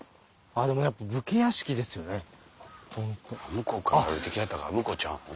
向こうから歩いてきはったから向こうちゃうの？